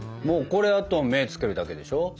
もうこれはあと目をつけるだけでしょ？